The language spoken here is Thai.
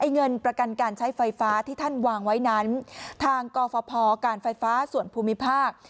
เงินประกันการใช้ไฟฟ้าที่ท่านวางไว้นั้นทางกฟพการไฟฟ้าส่วนภูมิภาค